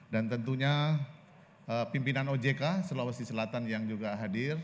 dan tentunya pimpinan ojk sulawesi selatan yang juga hadir